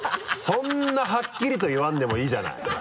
そんなはっきりと言わんでもいいじゃない。